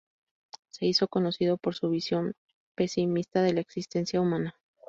Se hizo conocido por su visión pesimista de la existencia humana.